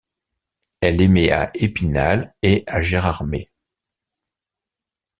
Elle émet à Épinal et à Gérardmer.